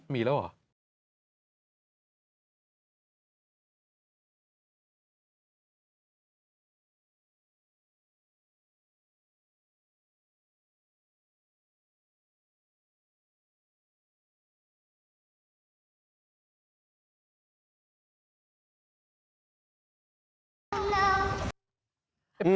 มีแล้วเหรอ